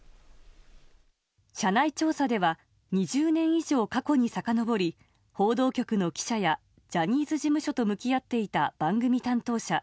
社内調査では２０年以上過去にさかのぼり報道局の記者やジャニーズ事務所と向き合っていた番組担当者